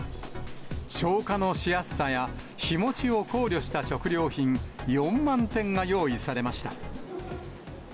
消化のしやすさや日持ちを考慮した食料品４万点が用意されました。